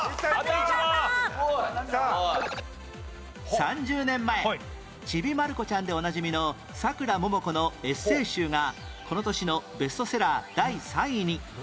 ３０年前『ちびまる子ちゃん』でおなじみのさくらももこのエッセイ集がこの年のベストセラー第３位に